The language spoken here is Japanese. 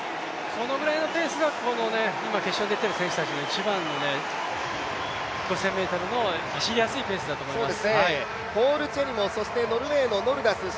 このぐらいのペースが今、決勝出ている選手たちの一番の５０００ｍの走りやすいペースだと思います。